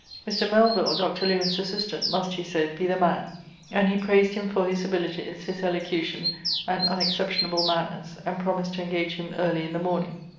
Mr. Melvill, Dr. Lewen's assistant, must, he said, be the man; and he praised him for his abilities; his elocution, and unexceptionable manners; and promised to engage him early in the morning.